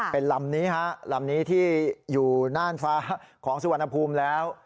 เป็นลำนี้ฮะลำนี้ที่อยู่น่านฟ้าของสุวรรณภูมิแล้ว